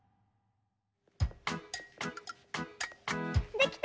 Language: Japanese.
できた！